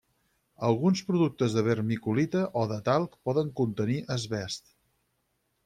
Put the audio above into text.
Alguns productes de vermiculita o de talc poden contenir asbest.